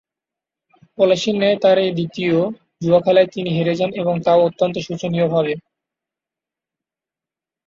পলাশীর ন্যায় তাঁর এ দ্বিতীয় জুয়াখেলায় তিনি হেরে যান এবং তাও অত্যন্ত শোচনীয়ভাবে।